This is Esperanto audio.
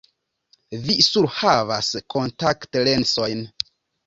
Vi surhavas kontaktlensojn.